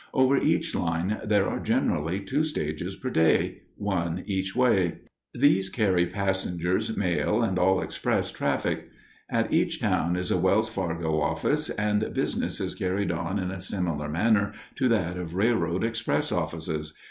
Over each line there are generally two stages per day, one each way. These carry passengers, mail, and all express traffic. At each town is a Wells Fargo office, and business is carried on in a similar manner to that of railroad express offices.